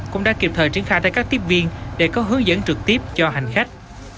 cũng đã kịp thời triển khai tới các tiếp viên để có hướng dẫn trực tiếp cho hành khách